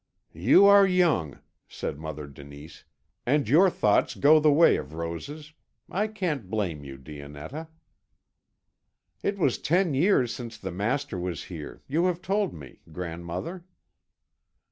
"You are young," said Mother Denise, "and your thoughts go the way of roses. I can't blame you, Dionetta." "It was ten years since the master was here, you have told me, grandmother."